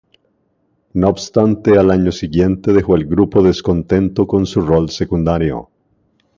No obstante, al año siguiente dejó el grupo descontento con su rol secundario.